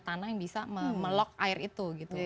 tanah yang bisa memelok air itu